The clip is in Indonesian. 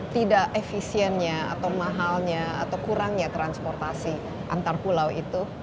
tidak efisiennya atau mahalnya atau kurangnya transportasi antar pulau itu